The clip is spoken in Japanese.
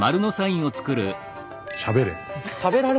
しゃべれ。